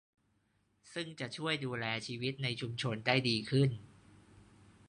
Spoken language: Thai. ซึ่งจะช่วยดูแลชีวิตในชุมชนได้ดีขึ้น